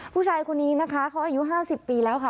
ผู้ชายคนนี้นะคะเขาอายุ๕๐ปีแล้วค่ะ